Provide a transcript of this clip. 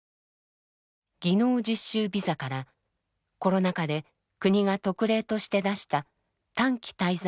技能実習ビザからコロナ禍で国が特例として出した短期滞在